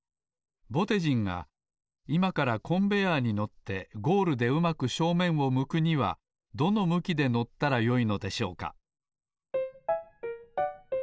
ぼてじんがいまからコンベヤーに乗ってゴールでうまく正面を向くにはどの向きで乗ったらよいのでしょうか？